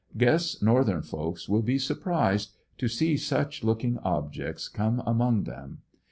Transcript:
Guess northern folks will be surprised to see such looking objects come among them.